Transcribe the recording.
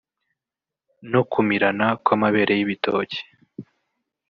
no kumirana kw’amabere y’ibitoki